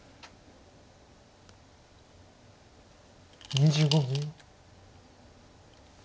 ２５秒。